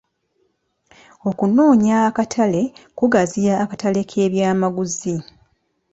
Okunoonya akatale kugaziya akatale k'ebyamaguzi.